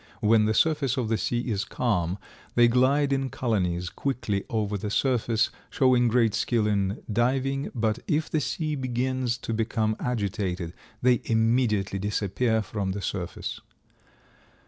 When the surface of the sea is calm they glide in colonies quickly over the surface, showing great skill in diving, but if the sea begins to become agitated they immediately disappear from the surface.